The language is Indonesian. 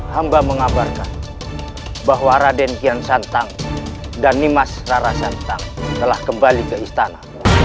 hamba mengabarkan bahwa raden kian santang dan nimas rara santang telah kembali ke istana